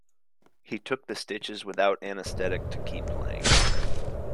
He took the stitches without anesthetic in order to keep playing.